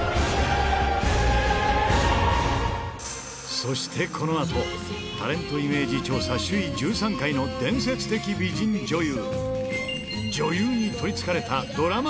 そしてこのあと、タレントイメージ調査首位１３回の伝説的美人女優。